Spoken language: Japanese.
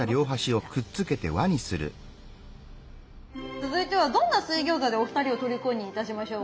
続いてはどんな水餃子でお二人を虜にいたしましょうか。